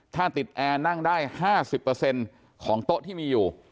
ถ้าติดแอร์นั่งได้๕๐ของโต๊ะที่มีอยู่